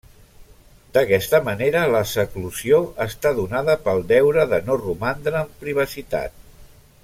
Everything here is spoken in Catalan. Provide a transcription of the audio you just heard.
D'aquesta manera, la seclusió està donada pel deure de no romandre en privacitat.